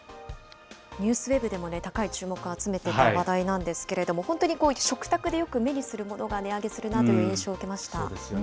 ＮＥＷＳＷＥＢでも高い注目を集めていた話題なんですけれども、本当に食卓でよく目にするものが値上げするなという印象を受そうですよね。